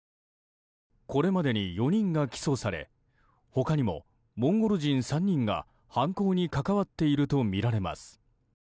これまでに、４人が起訴され他にも、モンゴル人３人が犯行に関わっているとみられます。